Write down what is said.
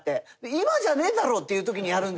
今じゃねえだろっていう時にやるんですよ。